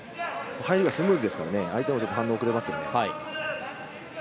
入りがスムーズですからね、相手も反応が遅れますよね。